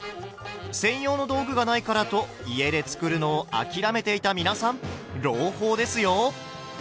専用の道具がないからと家で作るのを諦めていた皆さん朗報ですよ！